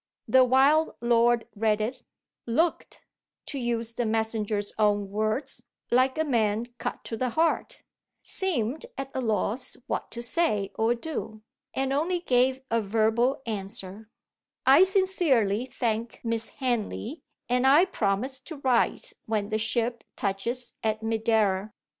The wild lord read it looked (to use the messenger's own words) like a man cut to the heart seemed at a loss what to say or do and only gave a verbal answer: "I sincerely thank Miss Henley, and I promise to write when the ship touches at Madeira."